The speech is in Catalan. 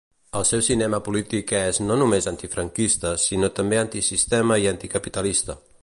El seu cinema polític és, no només antifranquista, sinó també antisistema i anticapitalista.